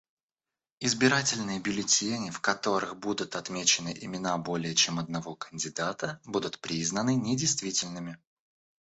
Избирательные бюллетени, в которых будут отмечены имена более чем одного кандидата, будут признаны недействительными.